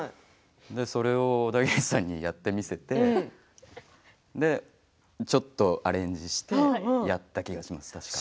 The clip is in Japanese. それをオダギリさんにやってみせてちょっとアレンジしてやった気がします、確か。